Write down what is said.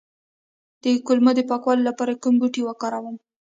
د کولمو د پاکوالي لپاره کوم بوټی وکاروم؟